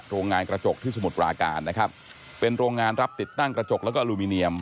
โรงงานกระจกที่สมุทรปราการนะครับเป็นโรงงานรับติดตั้งกระจกแล้วก็อลูมิเนียม